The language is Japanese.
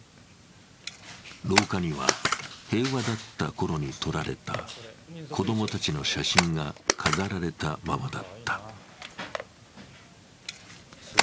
廊下には、平和だったころに撮られた子どもたちの写真が飾られたままだった。